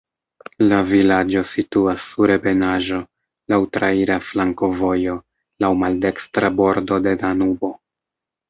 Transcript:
La vilaĝo situas sur ebenaĵo, laŭ traira flankovojo, laŭ maldekstra bordo de Danubo.